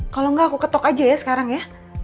kalau enggak aku ketok aja ya sekarang ya